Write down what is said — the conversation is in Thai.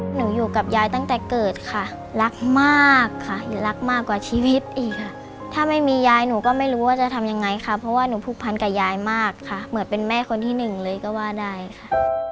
หนูอยู่กับยายตั้งแต่เกิดค่ะรักมากค่ะรักมากกว่าชีวิตอีกค่ะถ้าไม่มียายหนูก็ไม่รู้ว่าจะทำยังไงค่ะเพราะว่าหนูผูกพันกับยายมากค่ะเหมือนเป็นแม่คนที่หนึ่งเลยก็ว่าได้ค่ะ